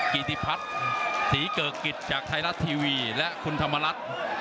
กิติพัฒน์ศรีเกิกกิจจากไทยรัฐทีวีและคุณธรรมรัฐ